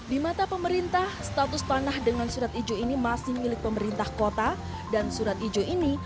di mata pemerintah status tanah dengan surat ijo ini masih milik pemerintah kota dan surat ijo ini